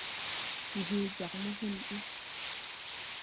Ndi hee jag mo, hȩn ɓi.